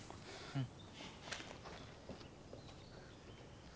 うん。